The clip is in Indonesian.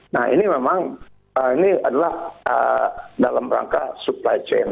nah ini memang ini adalah dalam rangka supply chain